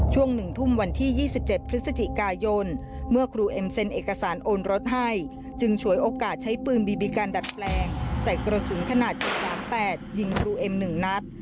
ช่วง๑ทุ่มวันที่๒๗พฤศจิกายนเมื่อครูเอ็มเซ็นเอกสารโอนรถให้จึงฉวยโอกาสใช้ปืนบีบีกันดัดแปลงใส่กระสุนขนาด๓๘ยิงครูเอ็ม๑นัด